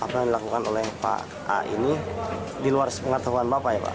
apa yang dilakukan oleh pak a ini di luar sepengetahuan bapak ya pak